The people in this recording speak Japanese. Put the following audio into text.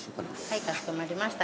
はいかしこまりました。